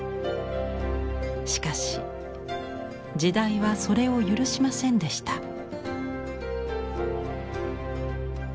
しかし時代はそれを許しませんでした。